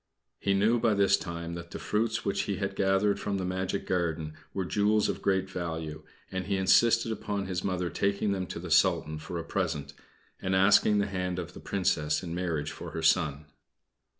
He knew by this time that the fruits which he had gathered from the magic garden were jewels of great value, and he insisted upon his Mother taking them to the Sultan for a present, and asking the hand of the Princess in marriage for her son.